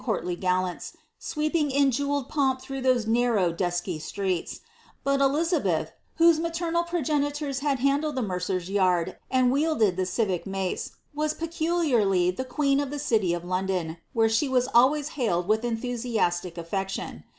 mrtly gujlanls, ■weeping in jewelled pomp through those narrow, dusky streets ; bat Hizabeth, whose mitemal progenitors had handled the meicer's yiid and wielded the civic mace, waa peculiarly the queen of the city of London, where she was always hailed with enthusiastic aSection.